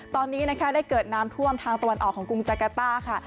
ตอนนี้นะคะได้เกิดน้ำท่วมทางตะวันออกของกรุงจากาต้าค่ะ